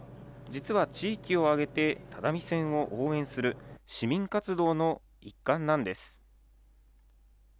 実は地域を挙げて只見線を応援する、市民活動の一環なんです。